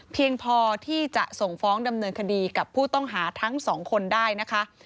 เพียงพอที่จะส่งฟ้องดำเนินคดีกับผู้ต้องหาทั้งสองคนได้นะคะ